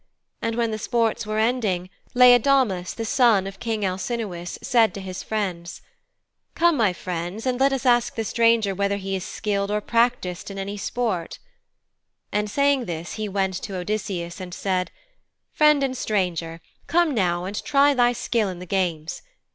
And when the sports were ending Laodamas, the son of King Alcinous, said to his friends: 'Come, my friends, and let us ask the stranger whether he is skilled or practised in any sport,' And saying this he went to Odysseus and said, 'Friend and stranger, come now and try thy skill in the games.